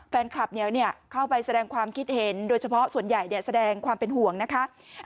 แฟนคลับเข้าไปแสดงความคิดเห็นโดยเฉพาะส่วนใหญ่แสดงความเป็นห่วงนะคะ